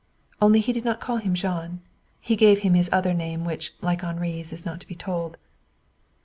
Only he did not call him Jean. He gave him his other name, which, like Henri's, is not to be told.